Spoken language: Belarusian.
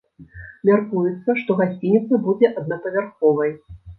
Мяркуецца, што гасцініца будзе аднапавярховай.